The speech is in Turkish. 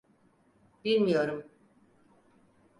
Bilmiyorum!